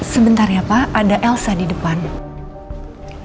kemana apa kecepatannya